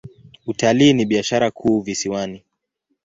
Utalii ni biashara kuu visiwani.